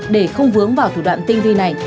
để không vướng vào thủ đoạn tinh vi này